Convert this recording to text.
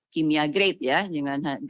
lebih banyak tamat uang